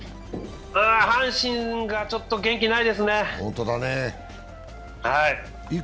阪神がちょっと元気ないですね。